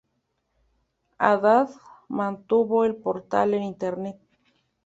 Hadad mantuvo el portal en Internet.